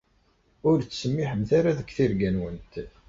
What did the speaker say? Ur ttsemmiḥemt ara deg tirga-nwent.